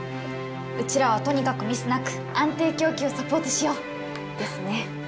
うちらはとにかくミスなく安定供給サポートしようですねあっ